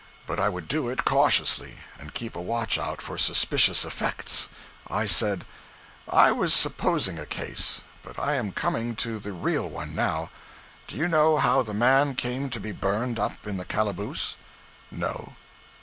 But I would do it cautiously, and keep a watch out for suspicious effects. I said 'I was supposing a case, but I am coming to the real one now. Do you know how the man came to be burned up in the calaboose?' 'No.'